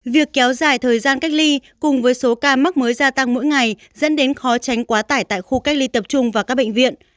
việc kéo dài thời gian cách ly cùng với số ca mắc mới gia tăng mỗi ngày dẫn đến khó tránh quá tải tại khu cách ly tập trung và các bệnh viện